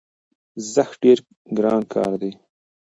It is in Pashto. زښت ډېر ګران کار دی،